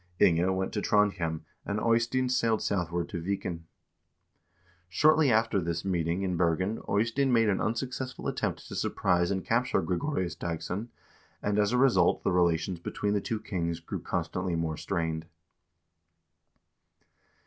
Inge went to Trondhjem, and Eystein sailed southward to Viken. Shortly after this meeting in Bergen Eystein made an unsuccessful attempt to surprise and capture Gregorius Dagss0n, and, as a result, the relations between the two kings grew constantly more strained.